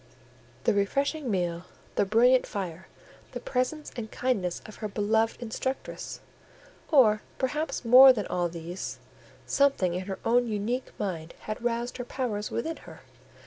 The refreshing meal, the brilliant fire, the presence and kindness of her beloved instructress, or, perhaps, more than all these, something in her own unique mind, had roused her powers within her.